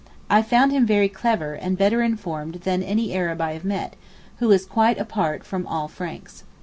I found him very clever, and better informed than any Arab I have met, who is quite apart from all Franks.